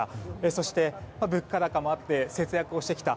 そして物価高もあって節約をしてきた。